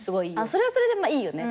それはそれでいいよね。